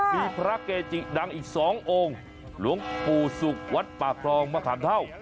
มีพระเกจิดังอีก๒องค์หลวงปู่ศุกร์วัดปากคลองมะขามเท่า